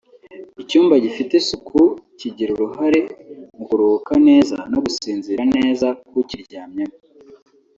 icyumba gifite isuku kigira uruhare mu kuruhuka neza no gusinzira neza k’ukiryamyemo